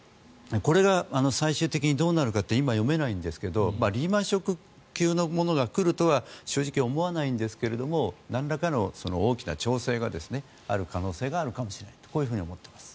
これが最終的にどうなるかって今、読めないんですがリーマン・ショック級のものが来るとは正直思わないんですがなんらかの調整がある可能性があるかもしれないとこういうふうに思っています。